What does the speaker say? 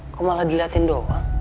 kok malah dilihatin doang